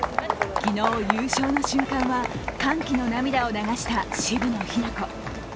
昨日、優勝の瞬間は歓喜の涙を流した渋野日向子。